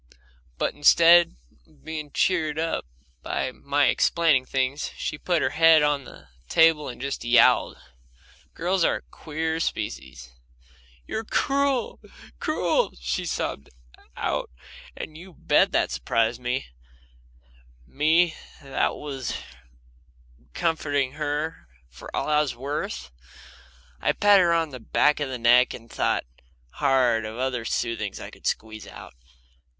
But instead of being cheered up by my explaining things, she put her head on the table and just yowled. Girls are a queer species. "You're cruel, cruel!" she sobbed out, and you bet that surprised me me that was comforting her for all I was worth! I patted her on the back of the neck, and thought hard what other soothings I could squeeze out.